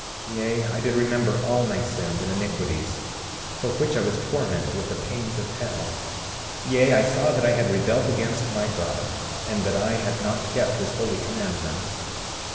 36:13 Yea, I did remember all my sins and iniquities, for which I was tormented with the pains of hell; yea, I saw that I had rebelled against my God, and that I had not kept his holy commandments.